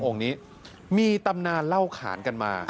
องค์นี้มีตำนานเล่าขานกันมา